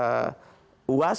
kemudian ada uwan